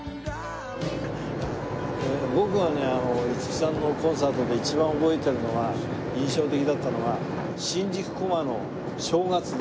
僕はね五木さんのコンサートで一番覚えてるのが印象的だったのが新宿コマの正月で。